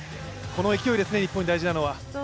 この勢いですね、日本に大事なのは。